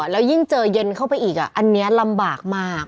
แล้วยิ่งเจอเย็นเข้าไปอีกอันนี้ลำบากมาก